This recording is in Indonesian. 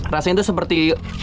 rasanya itu seperti